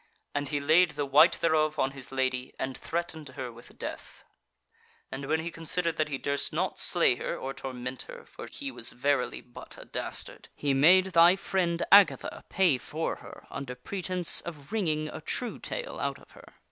And he laid the wyte thereof on his Lady, and threatened her with death: and when he considered that he durst not slay her, or torment her (for he was verily but a dastard), he made thy friend Agatha pay for her under pretence of wringing a true tale out of her.